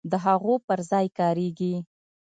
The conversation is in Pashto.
د هغو پر ځای کاریږي.